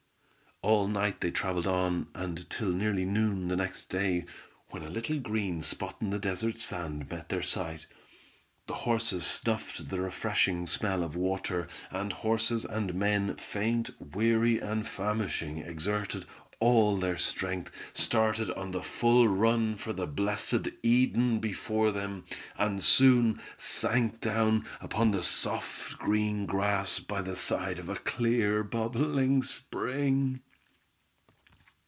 All night they traveled on and till nearly noon the next day, when a little green spot in the desert's sand met their sight. The horses snuffed the refreshing smell of water, and horses and men, faint, weary, and famishing, exerting all their strength started on the full run for the blessed Eden before them, and soon sank down upon the soft green grass by the side of a clear, bubbling spring.